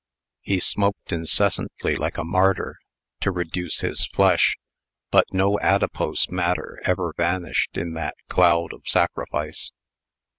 He smoked incessantly like a martyr, to reduce his flesh, but no adipose matter ever vanished in that cloud of sacrifice!